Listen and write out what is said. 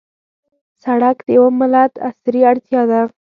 سړک د یوه ملت عصري اړتیا ده.